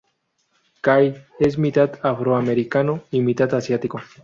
Kai es mitad afroamericano y mitad asiático.